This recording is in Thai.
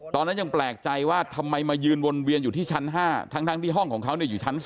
ตอนนั้นยังแปลกใจว่าทำไมมายืนวนเวียนอยู่ที่ชั้น๕ทั้งที่ห้องของเขาอยู่ชั้น๒